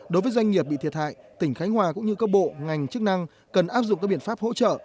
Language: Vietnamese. đối với doanh nghiệp bị thiệt hại tỉnh khánh hòa cũng như các bộ ngành chức năng cần áp dụng các biện pháp hỗ trợ